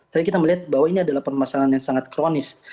tapi kita melihat bahwa ini adalah permasalahan yang sangat kronis